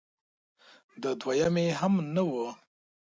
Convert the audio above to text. د دویمې هم نه و